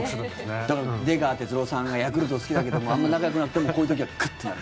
だから、出川哲朗さんがヤクルト好きだけどもあまり仲がよくなくてもこういう時は、グッとなる。